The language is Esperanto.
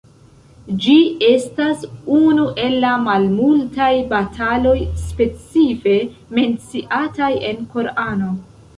Ĝi estas unu el la malmultaj bataloj specife menciataj en Korano.